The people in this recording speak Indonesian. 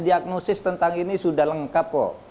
diagnosis tentang ini sudah lengkap kok